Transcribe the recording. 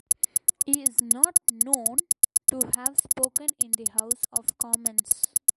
He is not known to have spoken in the House of Commons.